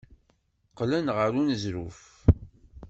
Qqlen ɣer uneẓruf.